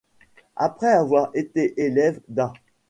Après avoir été élève d'A.